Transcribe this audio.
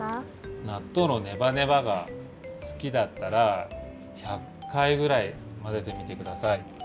なっとうのネバネバがすきだったら１００かいぐらいまぜてみてください。